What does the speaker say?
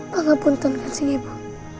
bapak pun tonton kasih ibu